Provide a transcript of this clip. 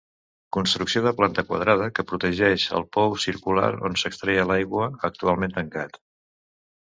Construcció de planta quadrada que protegeix el pou circular d'on s'extreia l'aigua, actualment tancat.